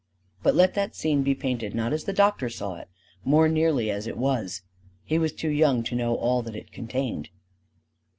But let that scene be painted not as the doctor saw it: more nearly as it was: he was too young to know all that it contained.